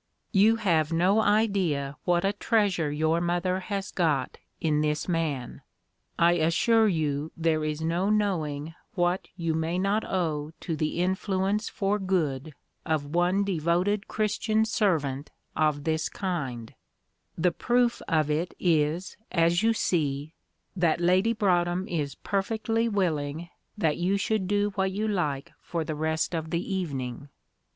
"You have no idea what a treasure your mother has got in this man. I assure you there is no knowing what you may not owe to the influence for good of one devoted Christian servant of this kind the proof of it is, as you see, that Lady Broadhem is perfectly willing that you should do what you like for the rest of the evening.